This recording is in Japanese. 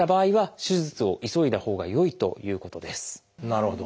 なるほど。